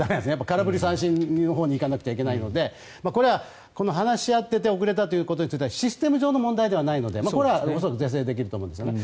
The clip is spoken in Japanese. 空振り三振のほうに行かなくてはいけないのでこれは、話し合っていて遅れたというのはシステム上の問題ではないのでこれは恐らく是正できると思うんですね。